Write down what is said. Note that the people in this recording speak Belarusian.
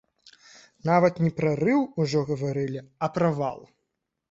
Нават не прарыў ужо гаварылі, а правал!